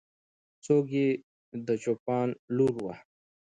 څوک یې د چوپان لور وه؟